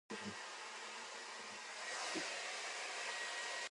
陳林半天下